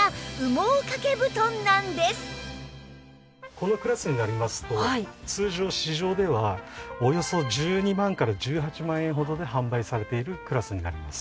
このクラスになりますと通常市場ではおよそ１２万から１８万円ほどで販売されているクラスになります。